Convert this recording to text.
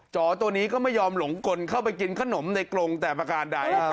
อตัวนี้ก็ไม่ยอมหลงกลเข้าไปกินขนมในกรงแต่ประการใด